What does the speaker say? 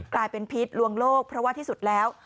กลายเป็นพิษลวงโลกเพราะว่าที่สุดแล้ว